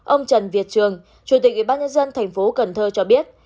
ông trần việt trường chủ tịch ubnd tp cần thơ cho biết